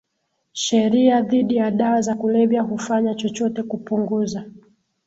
sheria dhidi ya dawa za kulevya hufanya chochote kupunguza